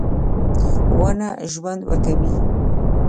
• ونه ژوند ورکوي.